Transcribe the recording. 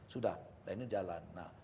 sudah dan ini jalan